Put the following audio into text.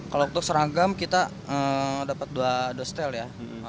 kalau untuk seragam kita dapat dua dostel ya